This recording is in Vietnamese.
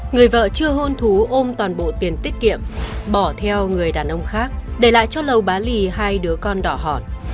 người vợ chưa hôn thú ôm toàn bộ tiền tiết kiệm bỏ theo người đàn ông khác để lại cho lầu bá lì hai đứa con đỏ hòn